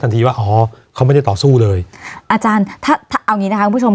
ทีว่าอ๋อเขาไม่ได้ต่อสู้เลยอาจารย์ถ้าเอางี้นะคะคุณผู้ชม